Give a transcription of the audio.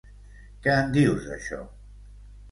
Què en dius d'això?